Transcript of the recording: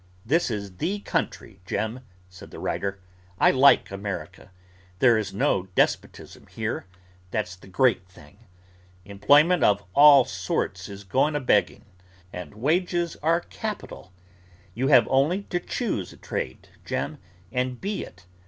'This is the country, Jem,' said the writer. 'I like America. There is no despotism here; that's the great thing. Employment of all sorts is going a begging, and wages are capital. You have only to choose a trade, Jem, and be it.